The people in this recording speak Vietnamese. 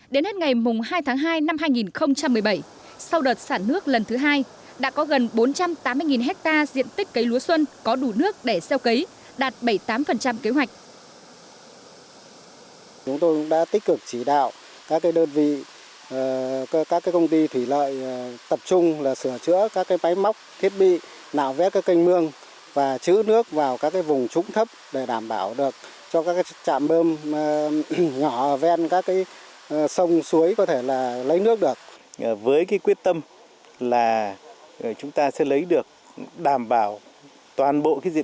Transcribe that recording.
đến hết ngày hai tháng hai năm hai nghìn một mươi bảy sau đợt sản nước lần thứ hai đã có gần bốn trăm tám mươi hectare diện tích cấy lúa xuân